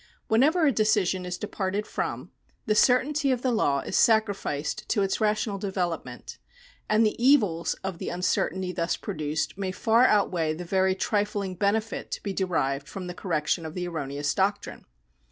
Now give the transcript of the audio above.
Whenever a decision is departed from, the certainty of the law is sacrificed to its rational development, and the evils of the uncertainty thus produced may far out weigh the very trifling benefit to be derived from the cor rection of the erroneous doctrine.